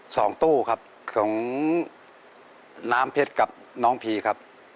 สองตู้ครับของน้ำเพชรกับน้องพีครับ